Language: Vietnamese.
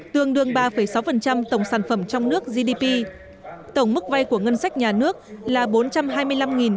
tương đương ba sáu tổng sản phẩm trong nước gdp tổng mức vay của ngân sách nhà nước là bốn trăm hai mươi năm hai trăm năm mươi hai tỷ đồng